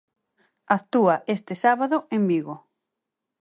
Actúa este sábado en Vigo.